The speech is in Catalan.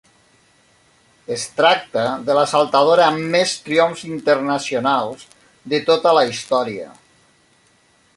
Es tracta de la saltadora amb més triomfs internacionals de tota la història.